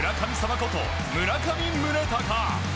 こと村上宗隆。